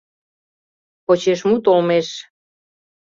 ПОЧЕШМУТ ОЛМЕШ